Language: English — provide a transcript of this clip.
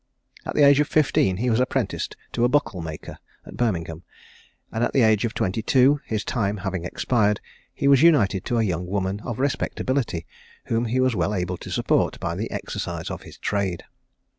At the age of fifteen he was apprenticed to a buckle maker, at Birmingham; and at the age of twenty two, his time having expired, he was united to a young woman of respectability, whom he was well able to support by the exercise of his trade.